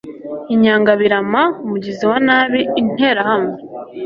inyangabirama umugizi wa nabi interahamwe